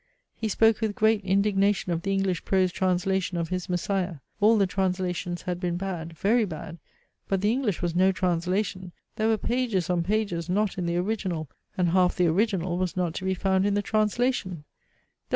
He spoke with great indignation of the English prose translation of his MESSIAH. All the translations had been bad, very bad but the English was no translation there were pages on pages not in the original and half the original was not to be found in the translation.